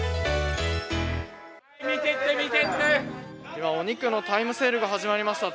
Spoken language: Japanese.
今お肉のタイムセールが始まりました。